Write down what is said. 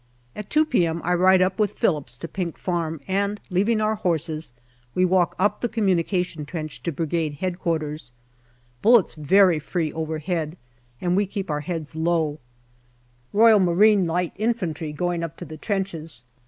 At 2 p.m. I ride up with Phillips to Pink Farm, and leaving our horses, we walk up the communication trench to Brigade H.Q. Bullets very free overhead, and we keep our heads low. R.M.L.I. going up to the trenches.